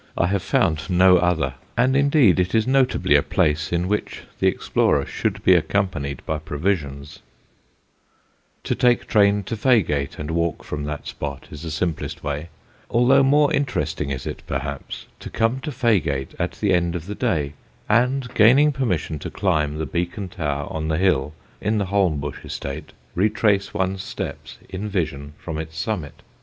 I have found no other, and indeed it is notably a place in which the explorer should be accompanied by provisions. [Sidenote: LEONARDSLEE] To take train to Faygate and walk from that spot is the simplest way, although more interesting is it perhaps to come to Faygate at the end of the day, and, gaining permission to climb the Beacon Tower on the hill, in the Holmbush estate, retrace one's steps in vision from its summit.